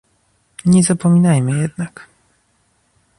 Nie zapominajmy jednak